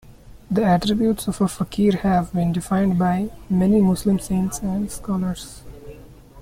The attributes of a fakir have been defined by many Muslim saints and scholars.